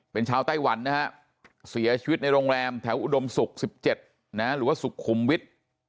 เป็นชาวไต้หวันนะฮะเสียชีวิตในโรงแรมแถวอุดมศุกร์๑๗หรือว่าสุขุมวิทย์